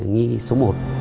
nghi số một